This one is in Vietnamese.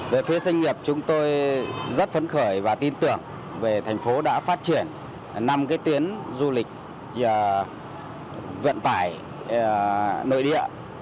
về phía doanh nghiệp chúng tôi rất phấn khởi và tin tưởng về thành phố đã phát triển năm cái tuyến du lịch vận tải nội địa